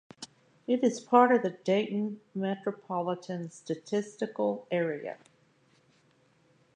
It is part of the Dayton Metropolitan Statistical Area.